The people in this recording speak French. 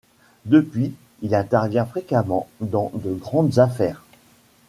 Depuis, il intervient fréquemment dans de grandes affaires.